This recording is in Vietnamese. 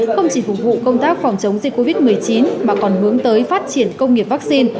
không chỉ phục vụ công tác phòng chống dịch covid một mươi chín mà còn hướng tới phát triển công nghiệp vaccine